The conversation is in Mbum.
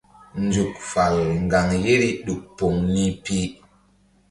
Nzuk fal ŋgaŋ yeri ɗuk poŋ ni pi.